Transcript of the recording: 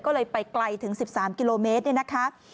ก็เลยไปไกลถึง๑๓กิโลเมตรเนี่ยนะคะ